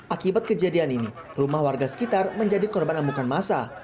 akibat kejadian ini rumah warga sekitar menjadi korban amukan masa